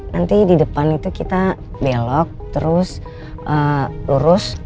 nanti di depan itu kita belok terus lurus